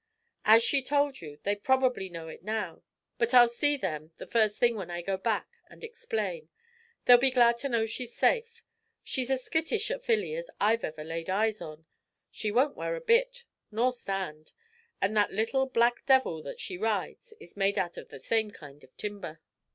"As she told you, they probably know it now, but I'll see them the first thing when I go back and explain. They'll be glad to know she's safe. She's as skittish a filly as I've ever laid eyes on she won't wear a bit, nor stand; and that little black devil that she rides is made out of the same kind of timber.